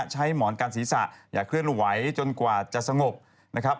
หมอนกันศีรษะอย่าเคลื่อนไหวจนกว่าจะสงบนะครับ